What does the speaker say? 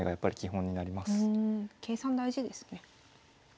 計算大事ですね。